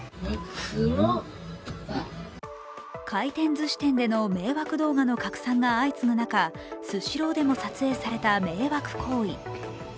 回転ずし店での迷惑動画の拡散が相次ぐ中、スシローでも撮影された迷惑行為。